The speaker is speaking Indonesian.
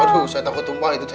aduh saya takut tumpah itu